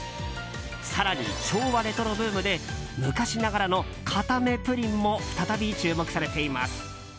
更に、昭和レトロブームで昔ながらのかためプリンも再び注目されています。